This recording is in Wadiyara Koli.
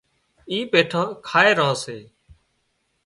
اِي ٻيٺان کائي ران سي